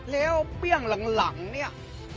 แล้วเปรี้ยงหลังเนี่ย